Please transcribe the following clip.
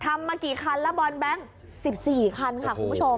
ทำมากี่คันล่ะบอลแบงค์๑๔คันค่ะ